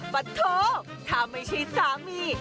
ปะโทถ้าไม่ใช่สามี